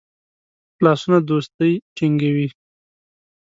لاسونه دوستی ټینګوي